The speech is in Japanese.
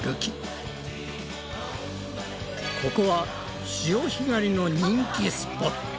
ここは潮干狩りの人気スポット！